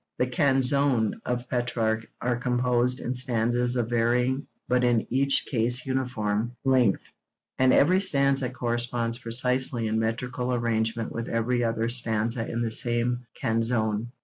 The canzoni of Petrarch are composed in stanzas of varying, but in each case uniform, length, and every stanza corresponds precisely in metrical arrangement with every other stanza in the same canzone.